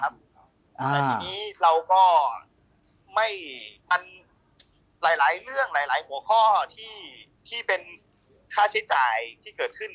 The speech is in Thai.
แต่ทีนี้เราก็ไม่มันหลายเรื่องหลายหัวข้อที่เป็นค่าใช้จ่ายที่เกิดขึ้น